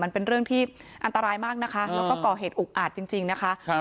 มันเป็นเรื่องที่อันตรายมากนะคะแล้วก็ก่อเหตุอุกอาจจริงนะคะ